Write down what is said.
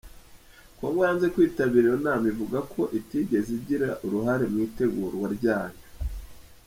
Congo yanze kwitabira iyo nama ivuga ko itigeze igira uruhare mu itegurwa ryayo.